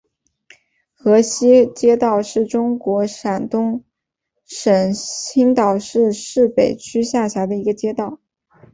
河西街道是中国山东省青岛市市北区下辖的一个街道。